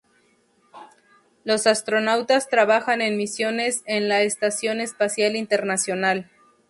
Los astronautas trabajan en misiones en la Estación Espacial Internacional.